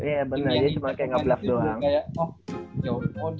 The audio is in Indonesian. iya bener cuma kayak ngebluff doang